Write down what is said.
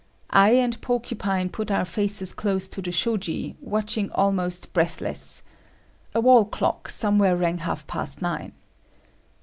I and Porcupine put our faces close to the shoji, watching almost breathless. A wall clock somewhere rang half past nine.